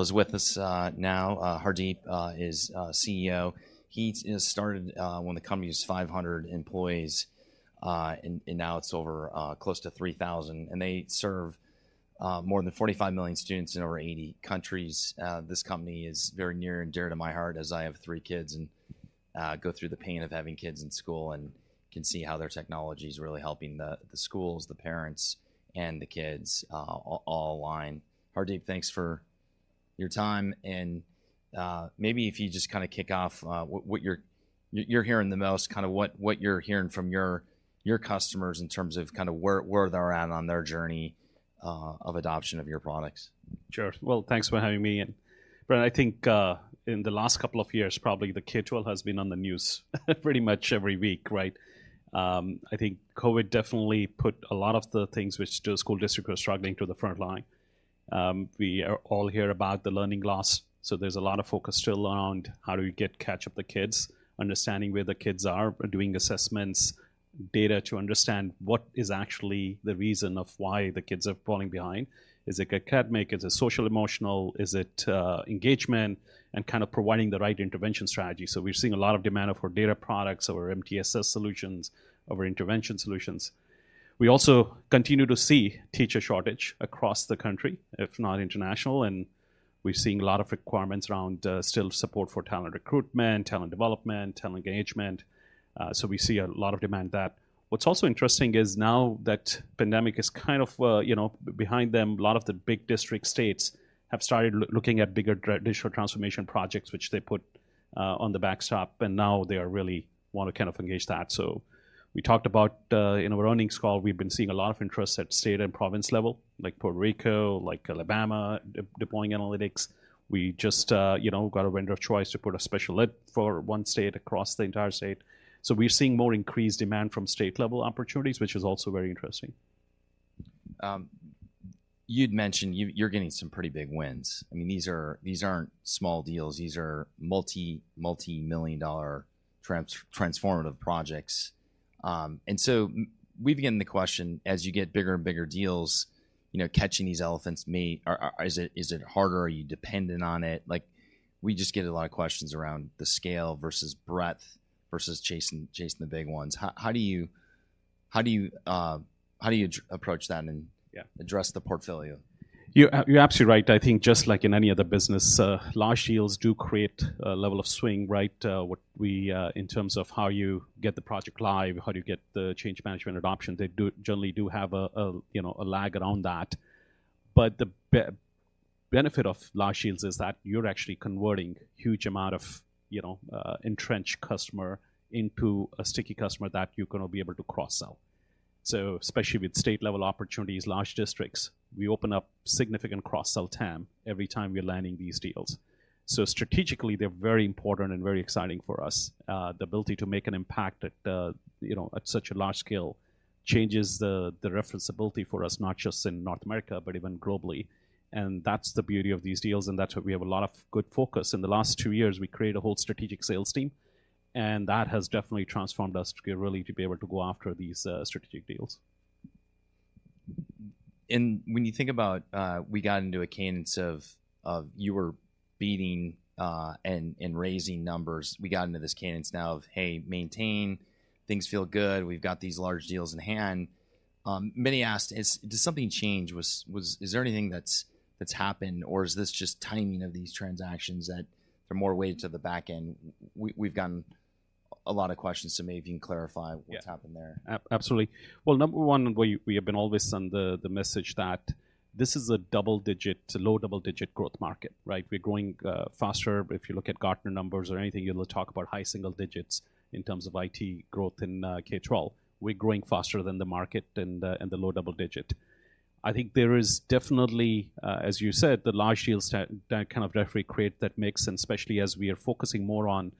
is with us, now, Hardeep is CEO. He's started when the company was 500 employees, and now it's over, close to 3,000. They serve more than 45 million students in over 80 countries. This company is very near and dear to my heart, as I have three kids, and go through the pain of having kids in school, and can see how their technology is really helping the schools, the parents, and the kids, all align. Hardeep, thanks for your time. Maybe if you just kinda kick off what you're hearing the most, kinda what you're hearing from your customers in terms of kinda where they're at on their journey of adoption of your products. Sure. Well, thanks for having me in. I think, in the last couple of years, probably the K-12 has been on the news, pretty much every week, right? I think COVID definitely put a lot of the things which the school district was struggling to the front line. We are all hear about the learning loss, so there's a lot of focus still around how do we get catch up the kids, understanding where the kids are, doing assessments, data to understand what is actually the reason of why the kids are falling behind. Is it academic? Is it social-emotional? Is it engagement? Kind of providing the right intervention strategy. We're seeing a lot of demand for data products or MTSS solutions, or intervention solutions. We also continue to see teacher shortage across the country, if not international, and we've seen a lot of requirements around still support for talent recruitment, talent development, talent engagement, so we see a lot of demand there. What's also interesting is now that pandemic is kind of, you know, behind them, a lot of the big district states have started looking at bigger digital transformation projects, which they put on the backstop, and now they are really want to kind of engage that. We talked about in our earnings call, we've been seeing a lot of interest at state and province level, like Puerto Rico, like Alabama, deploying analytics. We just, you know, got a vendor of choice to put a special ed for one state across the entire state. We're seeing more increased demand from state-level opportunities, which is also very interesting. You'd mentioned, you're getting some pretty big wins. I mean, these aren't small deals. These are multi-million dollar transformative projects. We've gotten the question, as you get bigger and bigger deals, you know, catching these elephants. Or, is it harder? Are you dependent on it? Like, we just get a lot of questions around the scale versus breadth, versus chasing the big ones. How do you approach that? Yeah... address the portfolio? You're absolutely right. I think just like in any other business, large deals do create a level of swing, right? What we in terms of how you get the project live, how do you get the change management adoption, they generally do have a, you know, a lag around that. But the benefit of large deals is that you're actually converting huge amount of, you know, entrenched customer into a sticky customer that you're gonna be able to cross-sell. Especially with state-level opportunities, large districts, we open up significant cross-sell TAM every time we're landing these deals. Strategically, they're very important and very exciting for us. The ability to make an impact at, you know, at such a large scale changes the reference ability for us, not just in North America, but even globally. That's the beauty of these deals, and that's why we have a lot of good focus. In the last two years, we created a whole strategic sales team, and that has definitely transformed us to get really to be able to go after these strategic deals. When you think about, we got into a cadence of you were beating and raising numbers, we got into this cadence now of, Hey, maintain. Things feel good. We've got these large deals in hand. Many asked, does something change? Was there anything that's happened, or is this just timing of these transactions that are more weighted to the back end? We've gotten a lot of questions, so maybe you can clarify. Yeah What's happened there. Absolutely. Well, number one, we have been always on the message that this is a double-digit, low double-digit growth market, right? We're growing faster. If you look at Gartner numbers or anything, you'll talk about high single digits in terms of IT growth in K-12. We're growing faster than the market and the low double-digit. I think there is definitely, as you said, the large deals that kind of definitely create that mix, and especially as we are focusing more on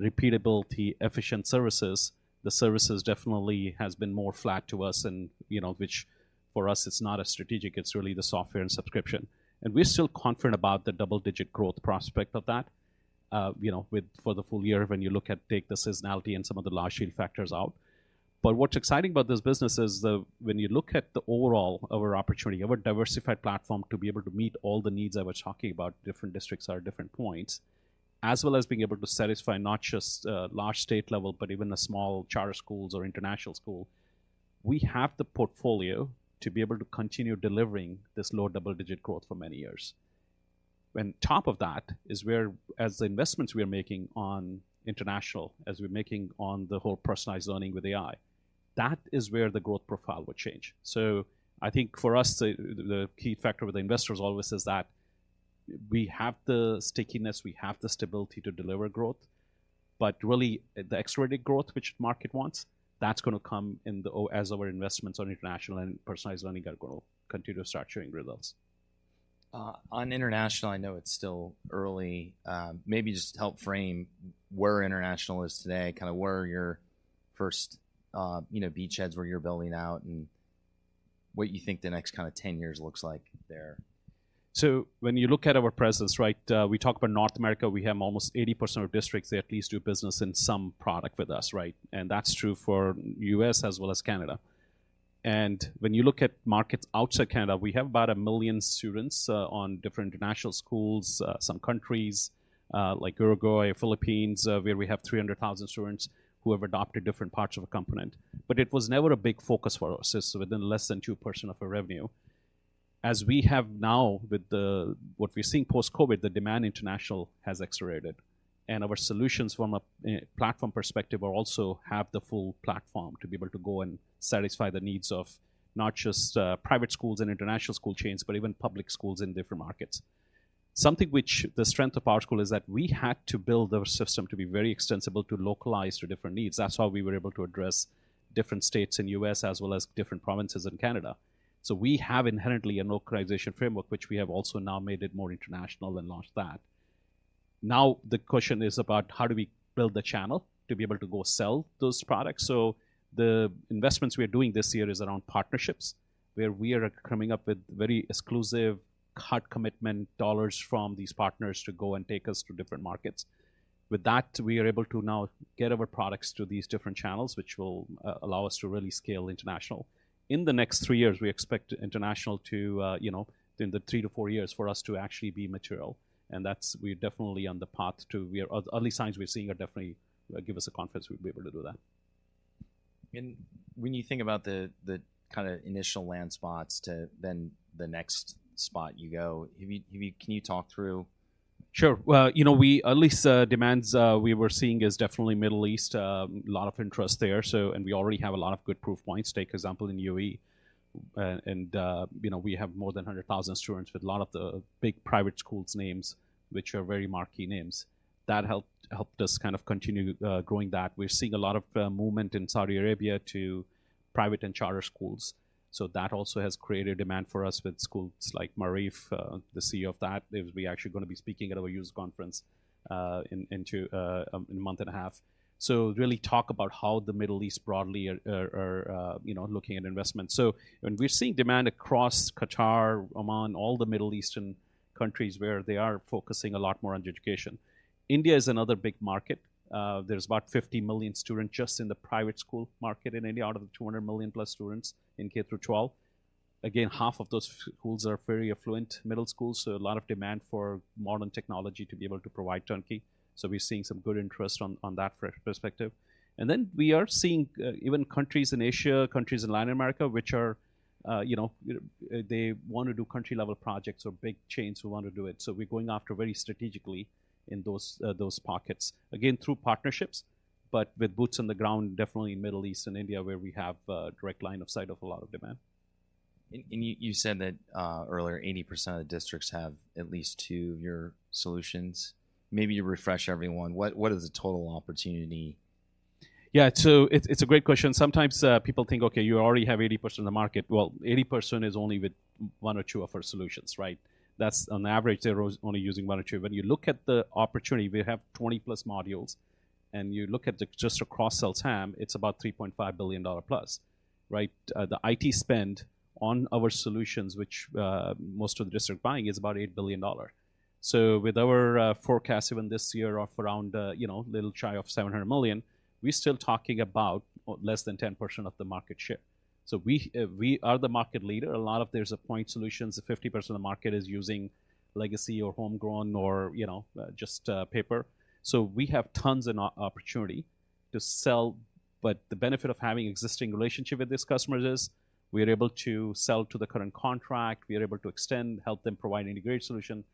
repeatability, efficient services, the services definitely has been more flat to us and, you know, which for us, it's not a strategic, it's really the software and subscription. We're still confident about the double-digit growth prospect of that, you know, for the full year, when you look at take the seasonality and some of the large deal factors out. What's exciting about this business is when you look at the overall of our opportunity, of a diversified platform, to be able to meet all the needs I were talking about, different districts at different points, as well as being able to satisfy not just large state level, but even the small charter schools or international school, we have the portfolio to be able to continue delivering this low double-digit growth for many years. When top of that is where as the investments we are making on international, as we're making on the whole personalized learning with AI, that is where the growth profile will change. I think for us, the key factor with the investors always is that we have the stickiness, we have the stability to deliver growth, but really, the accelerated growth which market wants, that's going to come as our investments on international and personalized learning are going to continue to start showing results. On international, I know it's still early, maybe just help frame where international is today, kinda where are your first, you know, beachheads, where you're building out, and what you think the next kinda 10 years looks like there. When you look at our presence, right, we talk about North America, we have almost 80% of districts, they at least do business in some product with us, right? That's true for U.S. as well as Canada. When you look at markets outside Canada, we have about 1 million students, on different international schools. Some countries, like Uruguay, Philippines, where we have 300,000 students who have adopted different parts of a component. It was never a big focus for us. It's within less than 2% of our revenue. As we have now, what we're seeing post-COVID, the demand international has accelerated. Our solutions from a platform perspective are also have the full platform to be able to go and satisfy the needs of not just private schools and international school chains, but even public schools in different markets. Something which the strength of PowerSchool is that we had to build our system to be very extensible, to localize to different needs. That's how we were able to address different states in U.S. as well as different provinces in Canada. We have inherently a localization framework, which we have also now made it more international and launched that. The question is about how do we build the channel to be able to go sell those products? The investments we are doing this year is around partnerships, where we are coming up with very exclusive hard commitment dollars from these partners to go and take us to different markets. With that, we are able to now get our products to these different channels, which will allow us to really scale international. In the next three years, we expect international to, you know, within the three to four years, for us to actually be material. Early signs we're seeing are definitely give us the confidence we'll be able to do that. When you think about the kind of initial land spots to then the next spot you go, if you, can you talk through? Sure. Well, you know, at least demands we were seeing is definitely Middle East. A lot of interest there, and we already have a lot of good proof points. Take example in UAE, you know, we have more than 100,000 students with a lot of the big private schools names, which are very marquee names. That helped us kind of continue growing that. We're seeing a lot of movement in Saudi Arabia to private and charter schools, so that also has created demand for us with schools like Maarif, the CEO of that. We actually gonna be speaking at our user conference in a month and a half. Really talk about how the Middle East broadly are, you know, looking at investment. We're seeing demand across Qatar, Oman, all the Middle Eastern countries, where they are focusing a lot more on education. India is another big market. There's about 50 million students just in the private school market in India, out of the 200+ million students in K-12. Again, half of those schools are very affluent middle schools, so a lot of demand for modern technology to be able to provide turnkey. We're seeing some good interest on that perspective. We are seeing, even countries in Asia, countries in Latin America, which are, you know, they want to do country-level projects or big chains who want to do it. We're going after very strategically in those those pockets. Through partnerships, but with boots on the ground, definitely in Middle East and India, where we have a direct line of sight of a lot of demand. You said that earlier, 80% of the districts have at least two of your solutions. Maybe you refresh everyone, what is the total opportunity? It's a great question. Sometimes people think, "Okay, you already have 80% of the market." Well, 80% is only with one or two of our solutions, right? That's on average, they're only using one or two. When you look at the opportunity, we have 20-plus modules, and you look at the just across sell TAM, it's about $3.5 billion-plus, right? The IT spend on our solutions, which most of the district buying, is about $8 billion. With our forecast even this year of around, you know, little shy of $700 million, we're still talking about less than 10% of the market share. We are the market leader. A lot of there's a point solutions, 50% of the market is using legacy or homegrown or, you know, just paper. We have tons of opportunity to sell. The benefit of having existing relationship with these customers is, we are able to sell to the current contract, we are able to extend, help them provide integrated solution,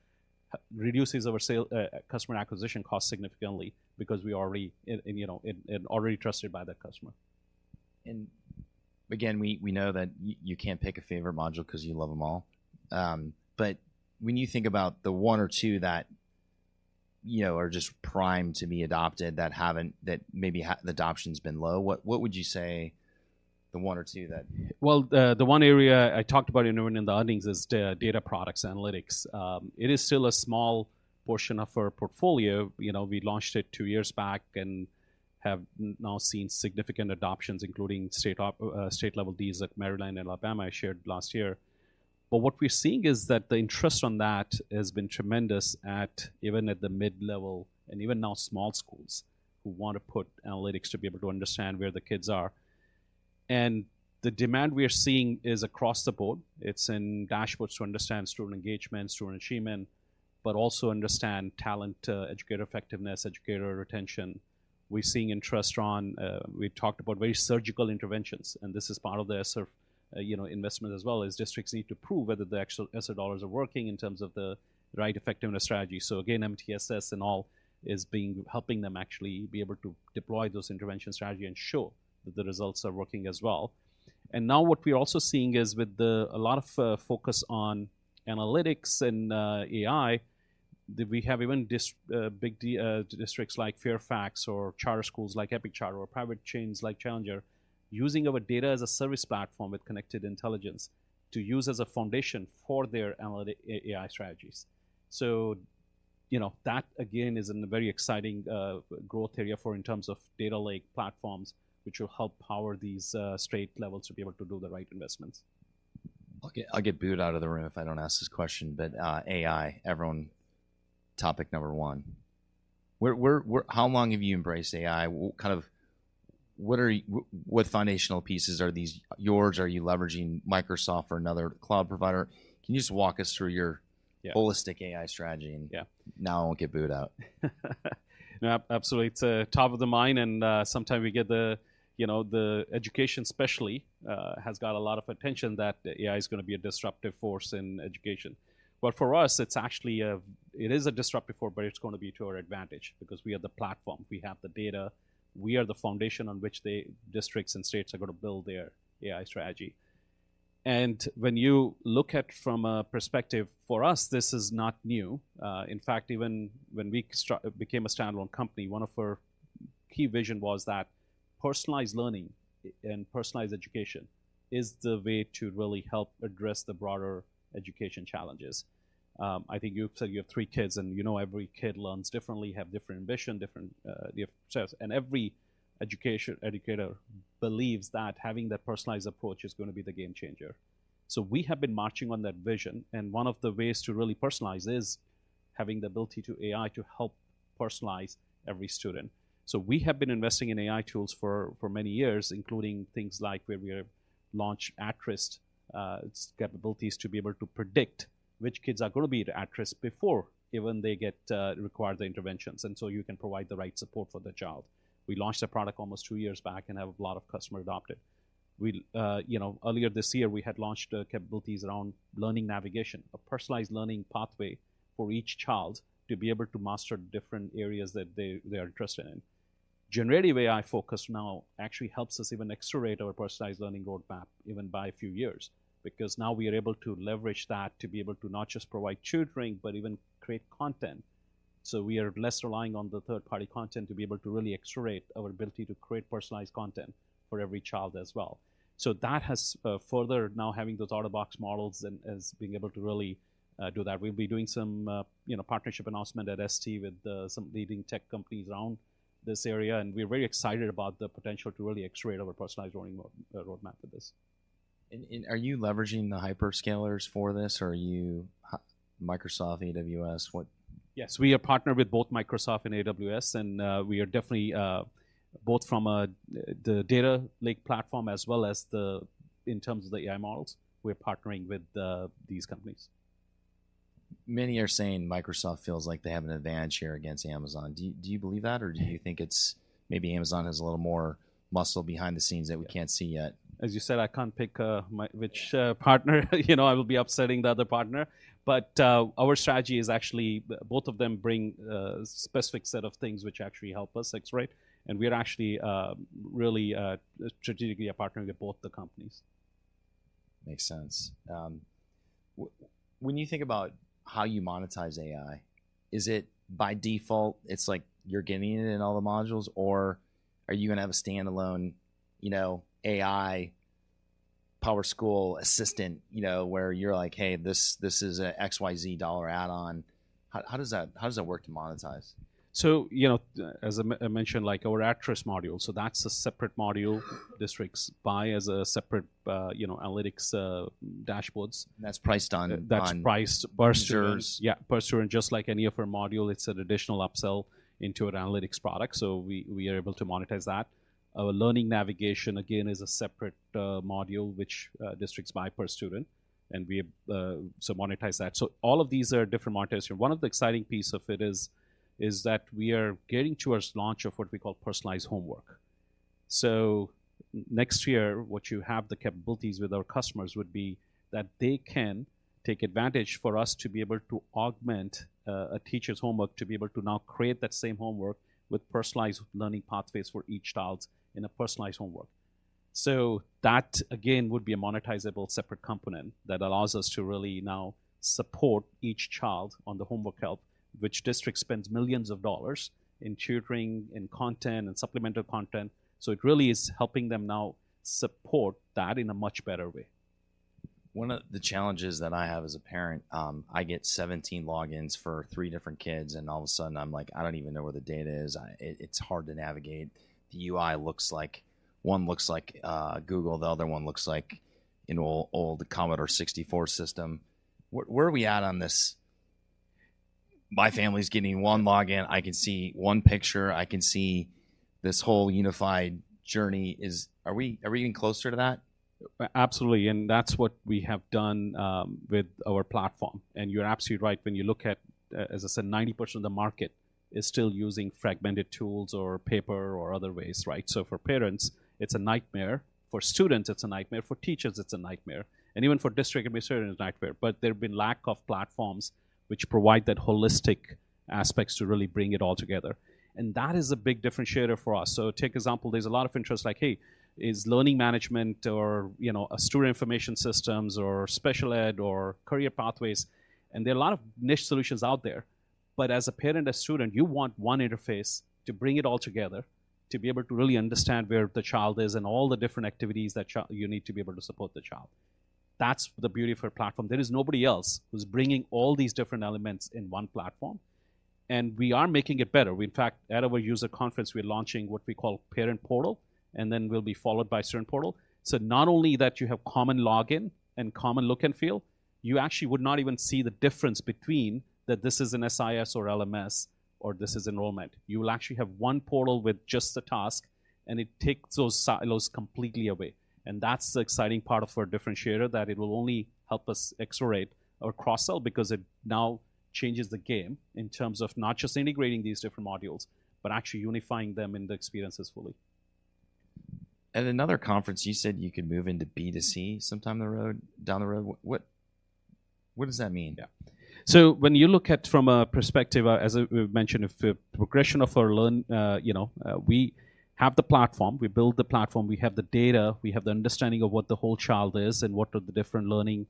reduces our sale customer acquisition cost significantly because we already and, you know, already trusted by that customer. Again, we know that you can't pick a favorite module 'cause you love them all. But when you think about the one or two that, you know, are just primed to be adopted, that maybe the adoption's been low, what would you say the one or two? Well, the one area I talked about in the earnings is the data products analytics. It is still a small portion of our portfolio. You know, we launched it two years back and have now seen significant adoptions, including state-level deals like Maryland and Alabama, I shared last year. What we're seeing is that the interest on that has been tremendous at, even at the mid-level and even now, small schools, who want to put analytics to be able to understand where the kids are. The demand we are seeing is across the board. It's in dashboards to understand student engagement, student achievement, but also understand talent, educator effectiveness, educator retention. We're seeing interest around, we talked about very surgical interventions, and this is part of the ESSER investment as well, is districts need to prove whether the actual ESSER dollars are working in terms of the right effectiveness strategy. MTSS and all is helping them actually be able to deploy those intervention strategy and show that the results are working as well. What we're also seeing is, with a lot of focus on analytics and AI, that we have even big districts like Fairfax or charter schools like Epic Charter or private chains like Challenger School, using our Data-as-a-Service platform with Connected Intelligence to use as a foundation for their analytic AI strategies. You know, that, again, is an very exciting growth area for in terms of data lake platforms, which will help power these state levels to be able to do the right investments. I'll get booed out of the room if I don't ask this question, but, AI, everyone, topic number one... How long have you embraced AI? What foundational pieces, are these yours? Are you leveraging Microsoft or another cloud provider? Can you just walk us through your? Yeah. Holistic AI strategy, and... Yeah. Now I won't get booed out. Yeah, absolutely. It's top of the mind, and sometimes we get the, you know, the education especially, has got a lot of attention that AI is gonna be a disruptive force in education. For us, it's actually it is a disruptive force, but it's gonna be to our advantage because we have the platform, we have the data, we are the foundation on which the districts and states are gonna build their AI strategy. When you look at from a perspective, for us, this is not new. In fact, even when we became a standalone company, one of our key vision was that personalized learning and personalized education is the way to really help address the broader education challenges. I think you've said you have three kids, and you know, every kid learns differently, have different ambition, different skills. Every educator believes that having that personalized approach is gonna be the game changer. We have been marching on that vision, and one of the ways to really personalize is having the ability to AI to help personalize every student. We have been investing in AI tools for many years, including things like where we have launched At-Risk. Its capability is to be able to predict which kids are gonna be at risk before, even they get require the interventions, you can provide the right support for the child. We launched the product almost two years back and have a lot of customer adopt it. We, you know, earlier this year, we had launched capabilities around learning navigation, a personalized learning pathway for each child to be able to master different areas that they are interested in. Generative AI focus now actually helps us even accelerate our personalized learning roadmap even by a few years. Now we are able to leverage that to be able to not just provide tutoring, but even create content. We are less relying on the third-party content to be able to really accelerate our ability to create personalized content for every child as well. That has further. Now, having those out-of-the-box models and has being able to really, do that. We'll be doing some, you know, partnership announcement at ISTE with some leading tech companies around this area, and we're very excited about the potential to really accelerate our personalized learning roadmap with this. Are you leveraging the hyperscalers for this, or are you, Microsoft, AWS, what? Yes, we are partnered with both Microsoft and AWS, and we are definitely both from a the data lake platform as well as the in terms of the AI models, we're partnering with these companies. Many are saying Microsoft feels like they have an advantage here against Amazon. Do you believe that, or do you think it's maybe Amazon has a little more muscle behind the scenes that we can't see yet? As you said, I can't pick which partner. You know, I will be upsetting the other partner. Our strategy is actually both of them bring specific set of things which actually help us accelerate, and we are actually really strategically partnering with both the companies. Makes sense. when you think about how you monetize AI, is it by default, it's like you're getting it in all the modules, or are you gonna have a standalone, you know, AI PowerSchool assistant, you know, where you're like, "Hey, this is a $XYZ add-on"? How does that work to monetize? You know, as I mentioned, like our At-Risk module, so that's a separate module. Mm-hmm. districts buy as a separate, you know, analytics, dashboards. That's priced on, That's priced per students. Yeah. Per student, just like any of our module, it's an additional upsell into an analytics product, so we are able to monetize that. Our learning navigation, again, is a separate module which districts buy per student, and we so monetize that. All of these are different monetization. One of the exciting piece of it is that we are getting to our launch of what we call personalized homework. Next year, what you have the capabilities with our customers would be that they can take advantage for us to be able to augment a teacher's homework, to be able to now create that same homework with personalized learning pathways for each child in a personalized homework. That, again, would be a monetizable separate component that allows us to really now support each child on the homework help, which district spends millions of dollars in tutoring, in content, and supplemental content. It really is helping them now support that in a much better way. One of the challenges that I have as a parent, I get 17 logins for three different kids. All of a sudden I'm like: "I don't even know where the data is. It's hard to navigate." The UI looks like... One looks like Google, the other one looks like, you know, old Commodore 64 system. Where are we at on this, "My family's giving me one login, I can see one picture, I can see this whole unified journey" are we getting closer to that? Absolutely, that's what we have done with our platform. You're absolutely right. When you look at, as I said, 90% of the market is still using fragmented tools or paper or other ways, right? For parents, it's a nightmare, for students, it's a nightmare, for teachers, it's a nightmare, and even for district administrators, it's a nightmare. There have been lack of platforms which provide that holistic aspects to really bring it all together. That is a big differentiator for us. Take example, there's a lot of interest like, "Hey, is learning management or, you know, a student information systems or special ed or Career Pathways?" There are a lot of niche solutions out there, but as a parent and a student, you want one interface to bring it all together, to be able to really understand where the child is and all the different activities that you need to be able to support the child. That's the beauty of our platform. There is nobody else who's bringing all these different elements in one platform, and we are making it better. We, in fact, at our user conference, we're launching what we call Parent Portal, and then will be followed by Student Portal. Not only that you have common login and common look and feel-... You actually would not even see the difference between that this is an SIS or LMS, or this is enrollment. You will actually have one portal with just the task. It takes those silos completely away. That's the exciting part of our differentiator, that it will only help us accelerate our cross-sell because it now changes the game in terms of not just integrating these different modules, but actually unifying them in the experiences fully. At another conference, you said you could move into B2C sometime down the road. What does that mean? When you look at from a perspective, as we've mentioned, of a progression of our learn, you know, we have the platform, we build the platform, we have the data, we have the understanding of what the whole child is and what are the different learning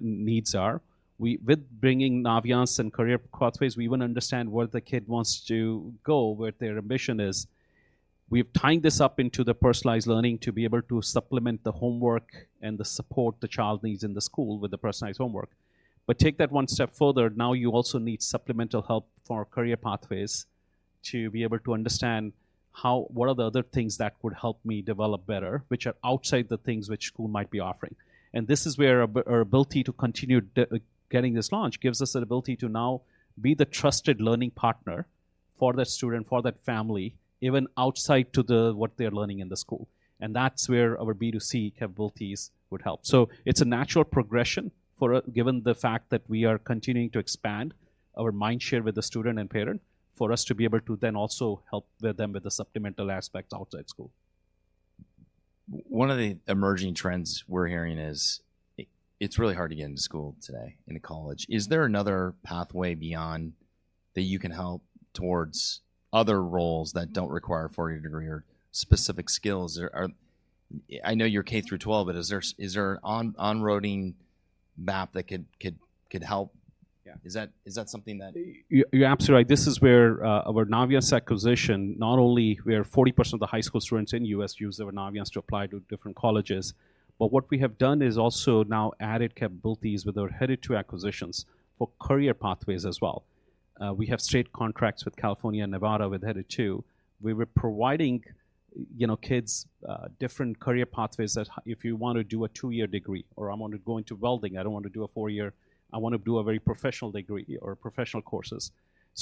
needs are. With bringing Naviance and Career Pathways, we even understand where the kid wants to go, where their ambition is. We've tied this up into the personalized learning to be able to supplement the homework and the support the child needs in the school with the personalized homework. Take that one step further, now you also need supplemental help for Career Pathways to be able to understand what are the other things that would help me develop better, which are outside the things which school might be offering. This is where our ability to continue getting this launch gives us the ability to now be the trusted learning partner for that student, for that family, even outside what they are learning in the school. That's where our B2C capabilities would help. It's a natural progression given the fact that we are continuing to expand our mind share with the student and parent, for us to be able to then also help with them with the supplemental aspects outside school. One of the emerging trends we're hearing is, it's really hard to get into school today, into college. Is there another pathway beyond... that you can help towards other roles that don't require a four-year degree or specific skills? Or, I know you're K-12, is there an on-roading map that could help? Yeah. Is that something? You're absolutely right. This is where our Naviance acquisition, not only where 40% of the high school students in the U.S. use our Naviance to apply to different colleges, but what we have done is also now added capabilities with our Headed2 acquisitions for Career Pathways as well. We have straight contracts with California and Nevada with Headed2. We were providing, you know, kids different Career Pathways that if you want to do a two-year degree, or I want to go into welding, I don't want to do a four-year, I want to do a very professional degree or professional courses.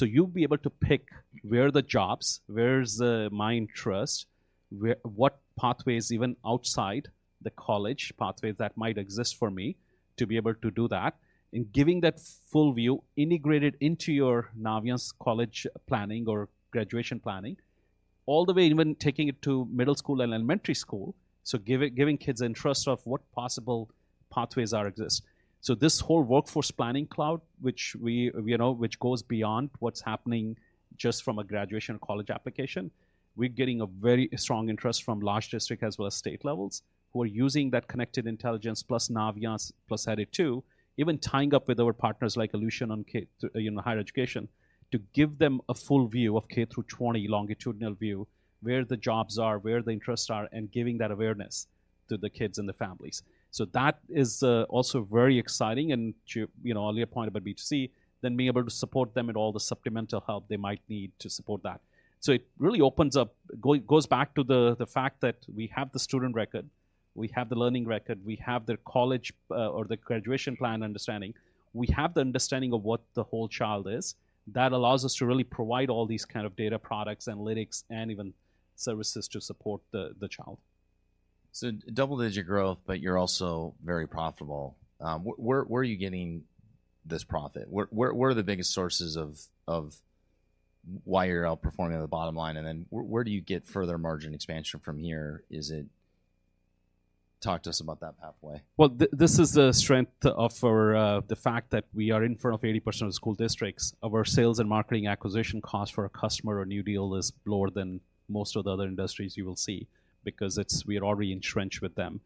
You'll be able to pick where are the jobs, where's the my interest, what pathways even outside the college pathways that might exist for me to be able to do that, and giving that full view integrated into your Naviance college planning or graduation planning, all the way even taking it to middle school and elementary school. Giving kids interest of what possible pathways are exist. This whole workforce planning cloud, which we, you know, which goes beyond what's happening just from a graduation college application, we're getting a very strong interest from large district as well as state levels, who are using that Connected Intelligence plus Naviance, plus Headed2, even tying up with our partners like Ellucian on K-, you know, higher education, to give them a full view of K through 20 longitudinal view, where the jobs are, where the interests are, and giving that awareness to the kids and the families. That is also very exciting, and to, you know, earlier point about B2C, then being able to support them in all the supplemental help they might need to support that. It really opens up goes back to the fact that we have the student record, we have the learning record, we have their college or the graduation plan understanding, we have the understanding of what the whole child is. That allows us to really provide all these kind of data products, analytics, and even services to support the child. Double-digit growth, but you're also very profitable. Where are you getting this profit? Where are the biggest sources of why you're outperforming the bottom line, and then where do you get further margin expansion from here? Talk to us about that pathway. Well, this is the strength of our, the fact that we are in front of 80% of school districts. Our sales and marketing acquisition cost for a customer or new deal is lower than most of the other industries you will see because we are already entrenched with them.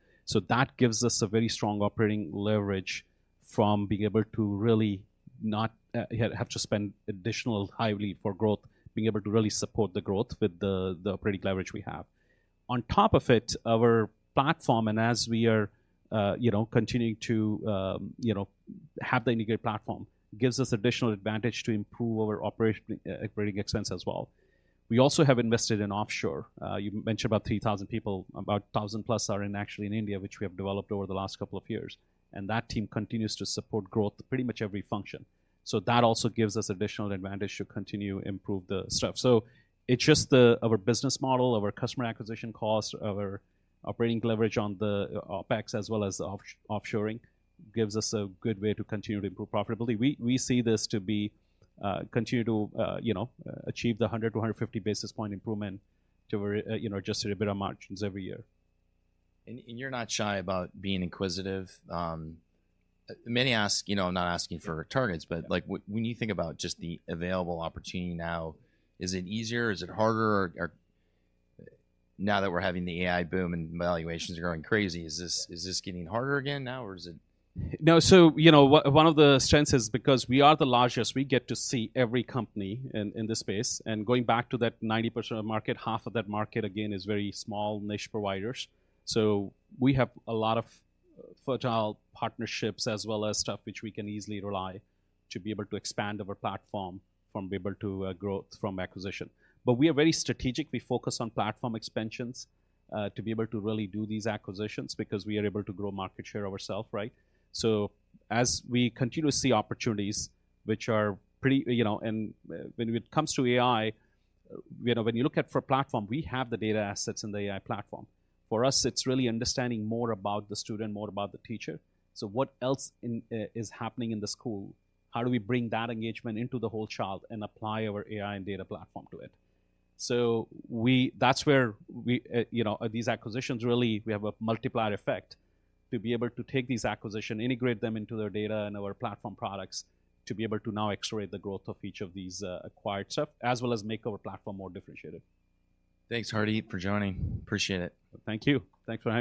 That gives us a very strong operating leverage from being able to really not have to spend additional highly for growth, being able to really support the growth with the operating leverage we have. On top of it, our platform, and as we are, you know, continuing to, you know, have the integrated platform, gives us additional advantage to improve our operation, OpEx as well. We also have invested in offshore. You mentioned about 3,000 people, about 1,000+ are in, actually in India, which we have developed over the last couple of years. That team continues to support growth in pretty much every function. That also gives us additional advantage to continue to improve the stuff. It's just our business model, our customer acquisition cost, our operating leverage on the OpEx as well as offshoring gives us a good way to continue to improve profitability. We see this to be, continue to, you know, achieve the 100-150 basis point improvement to our, you know, adjusted EBITDA margins every year. You're not shy about being inquisitive. many ask, you know, I'm not asking for returns. Yeah like, when you think about just the available opportunity now, is it easier, is it harder? Now that we're having the AI boom and valuations are going crazy, is this- Yeah... is this getting harder again now, or is it-? No, so you know, one of the strengths is because we are the largest, we get to see every company in this space. Going back to that 90% of market, half of that market, again, is very small niche providers. We have a lot of fertile partnerships as well as stuff which we can easily rely to be able to expand our platform from be able to growth from acquisition. We are very strategically focused on platform expansions to be able to really do these acquisitions because we are able to grow market share ourself, right? As we continue to see opportunities which are you know, and when it comes to AI, you know, when you look at for platform, we have the data assets in the AI platform. For us, it's really understanding more about the student, more about the teacher. What else is happening in the school? How do we bring that engagement into the whole child and apply our AI and data platform to it? That's where we, you know, these acquisitions, really, we have a multiplier effect to be able to take these acquisitions, integrate them into their data and our platform products, to be able to now X-ray the growth of each of these, acquired stuff, as well as make our platform more differentiated. Thanks, Hardeep, for joining. Appreciate it. Thank you. Thanks for having me.